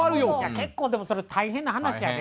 結構でもそれ大変な話やで。